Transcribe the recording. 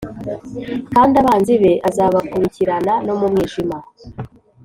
kandi abanzi be azabakurikirana no mu mwijima.